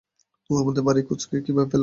ও আমাদের বাড়ির খোঁজ কীভাবে পেলো?